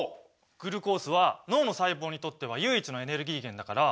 グルコースは脳の細胞にとっては唯一のエネルギー源だから。